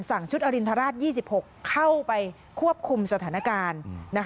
ชุดอรินทราช๒๖เข้าไปควบคุมสถานการณ์